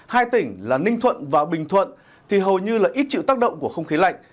hai tỉnh là ninh thuận và bình thuận thì hầu như là ít chịu tác động của không khí lạnh